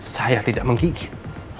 saya tidak menggigit